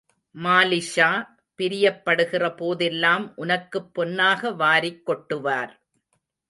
மாலிக்ஷா பிரியப்படுகிற போதெல்லாம் உனக்குப் பொன்னாக வாரிக் கொட்டுவார்.